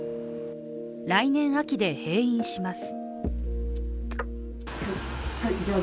来年秋で閉院します。